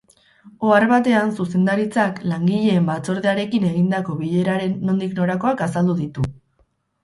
Ohar batean, zuzendaritzak langileen batzordearekin egindako bileraren nondik norakoak azaldu ditu.